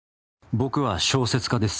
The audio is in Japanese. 僕は小説家です